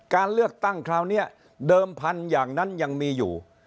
การเลือกตั้งคราวนี้เดิมพันธุ์อย่างนั้นยังมีอยู่